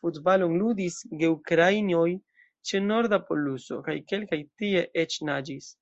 Futbalon ludis geukrainoj ĉe norda poluso – kaj kelkaj tie eĉ naĝis.